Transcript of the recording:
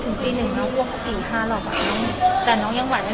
ถึงทีหนึ่งน้องอวก๔๕รอบจานน้องยังไหวอ้ะ